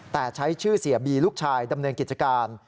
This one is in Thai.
แต่ใช้ชื่อเสียบีลูกชายดำเนินกิจการ